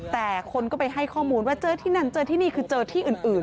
แต่คนก็ไปให้ข้อมูลว่าเจอที่นั่นเจอที่นี่คือเจอที่อื่น